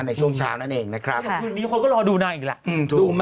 ในช่วงเช้านั่นเองนะครับคืนนี้คนก็รอดูหน้าอีกแล้วอืมถูมน่ะ